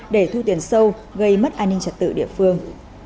để thu tiền sâu gây mất an ninh trật tự địa phương